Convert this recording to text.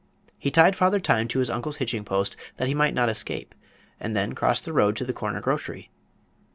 He tied Father Time to his uncle's hitching post, that he might not escape, and then crossed the road to the corner grocery.